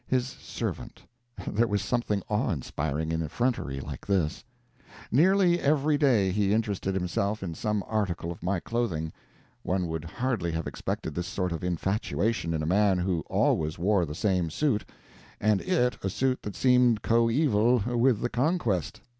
His servant! There was something awe inspiring in effrontery like this. Nearly every day he interested himself in some article of my clothing. One would hardly have expected this sort of infatuation in a man who always wore the same suit, and it a suit that seemed coeval with the Conquest.